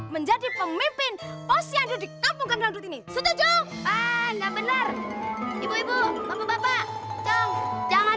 menjadi pemimpin posyandu di kampung kampung ini setuju ah enggak bener ibu ibu bapak jangan